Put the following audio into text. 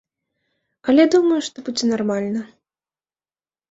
Але думаю, што будзе нармальна.